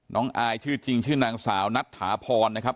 อายชื่อจริงชื่อนางสาวนัทถาพรนะครับ